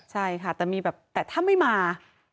ใช่ค่ะแต่มีแบบแต่ถ้าไม่มา